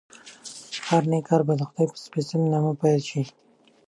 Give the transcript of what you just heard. هر نېک کار باید دخدای په سپېڅلي نامه پیل شي.